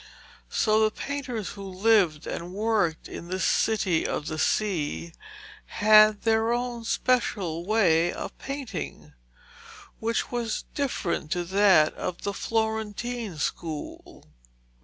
So the painters who lived and worked in this city of the sea had their own special way of painting, which was different to that of the Florentine school.